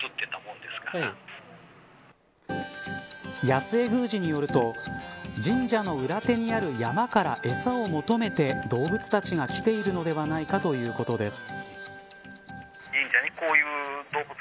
安江宮司によると神社の裏手にある山から餌を求めて動物たちが来ているのではないかということです。